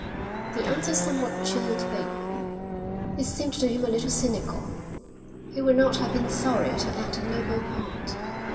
The answer somewhat chilled Bateman. It seemed to him a little cynical. He would not have been sorry to act a noble part.